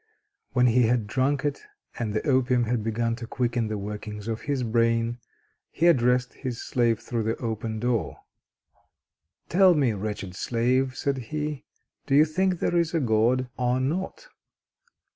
When he had drunk it and the opium had begun to quicken the workings of his brain, he addressed his slave through the open door: "Tell me, wretched slave," said he, "do you think there is a God, or not?"